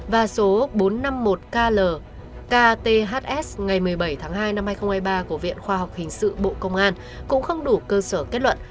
và số bốn trăm năm mươi một klkhs ngày một mươi bảy tháng hai năm hai nghìn hai mươi ba của viện khoa học hình sự bộ công an cũng không đủ cơ sở kết luận